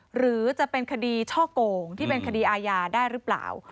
หรือจะเป็นคดีช่อโกงที่เป็นคดีอาญาได้หรือเปล่า